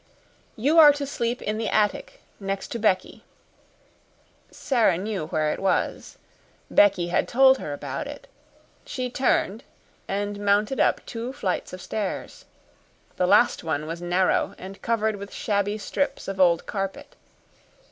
"You are to sleep in the attic next to Becky." Sara knew where it was. Becky had told her about it. She turned, and mounted up two flights of stairs. The last one was narrow, and covered with shabby strips of old carpet.